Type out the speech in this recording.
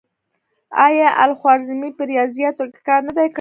آیا الخوارزمي په ریاضیاتو کې کار نه دی کړی؟